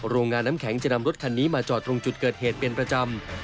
โรงงานน้ำแข็งจะนำรถคันนี้มาจอดตรงจุดเกิดเหตุเป็นประจำ